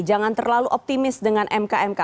jangan terlalu optimis dengan mk mk